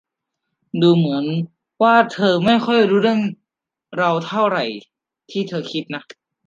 ดูเหมือนว่าเธอไม่ค่อยรู้เรื่องเราเท่าที่เธอคิดนะ